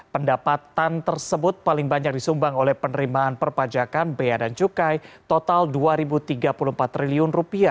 pendapatan tersebut paling banyak disumbang oleh penerimaan perpajakan bea dan cukai total rp dua tiga puluh empat triliun